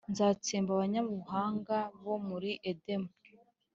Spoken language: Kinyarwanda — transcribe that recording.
nzatsemba abanyabuhanga bo muri edomu,